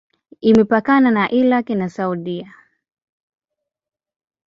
Imepakana na Irak na Saudia.